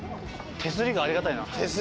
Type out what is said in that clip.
手すりがありがたい。